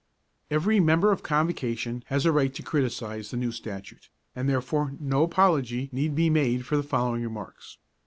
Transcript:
Every Member of Convocation has a right to criticise the New Statute, and therefore no apology need be made for the following remarks.